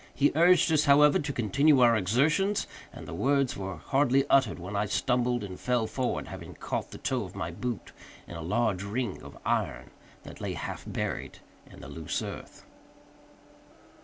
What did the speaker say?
He urged us, however, to continue our exertions, and the words were hardly uttered when I stumbled and fell forward, having caught the toe of my boot in a large ring of iron that lay half buried in the loose earth.